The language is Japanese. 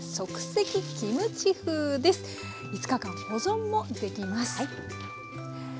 ５日間保存もできます。